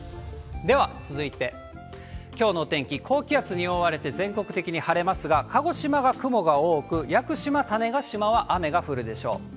では続いて、きょうのお天気、高気圧に覆われて全国的に晴れますが、鹿児島が雲が多く、屋久島、種子島は雨が降るでしょう。